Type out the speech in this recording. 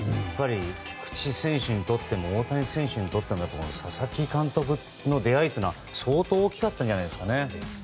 菊池選手にとっても大谷選手にとっても佐々木監督との出会いは相当大きかったんじゃないですか。